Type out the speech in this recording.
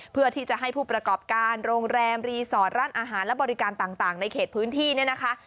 เพื่อที่จะให้ผู้ประกอบการโรงแรมรีสอร์ทร้านอาหารและบริการต่างในเขตพื้นที่เนี่ยนะคะ